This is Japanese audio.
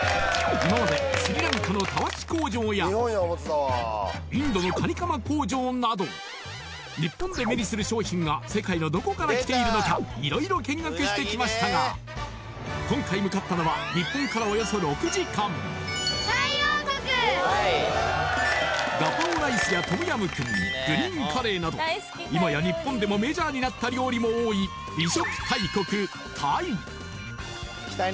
今までスリランカのたわし工場やインドのカニカマ工場など日本で目にする商品が世界のどこから来ているのか色々見学してきましたが今回向かったのは日本からおよそ６時間ガパオライスやトムヤムクンにグリーンカレーなど今や日本でもメジャーになった料理も多い美食大国タイ